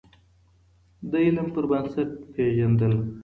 د علم پر بنسټ پیژندل.